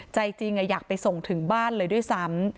ใจจริงอยากไปส่งถึงบ้านเลยด้วยซ้ำ